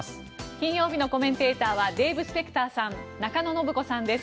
金曜日のコメンテーターはデーブ・スペクターさん中野信子さんです。